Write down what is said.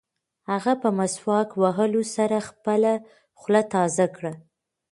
هغه په مسواک وهلو سره خپله خوله تازه کړه.